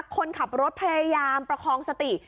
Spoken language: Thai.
คนขับรถพยายามประคองสติ